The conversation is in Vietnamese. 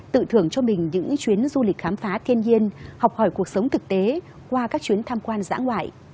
tự thưởng cho mình những chuyến du lịch khám phá thiên nhiên học hỏi cuộc sống thực tế qua các chuyến tham quan dã ngoại